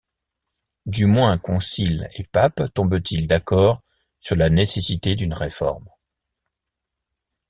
Du moins conciles et papes tombent-ils d'accord sur la nécessité d'une réforme.